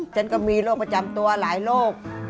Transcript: ฉันก็มีโรคประจำตัวหลายโรค